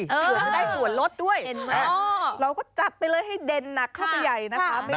เหลือไม่ได้ส่วนลดด้วยเราก็จัดไปเลยให้เด่นหนักข้อมูลใหญ่นะคะไม่ว่าจะ